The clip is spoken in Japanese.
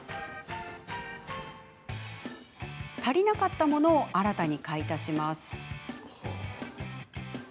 足りなかったものを新たに買い足します。